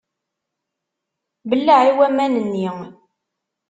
Belleɛ i waman-nni!